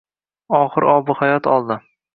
oxir obihayot oldi